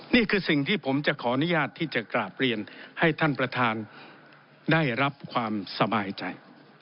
นี่คือสิ่งที่ผมจะขออนุญาตที่จะกราบเรียนให้ท่านประธานได้รับความสบายใจ